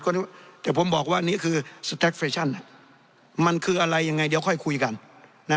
เดี๋ยวผมบอกว่านี่คือมันคืออะไรยังไงเดี๋ยวค่อยคุยกัน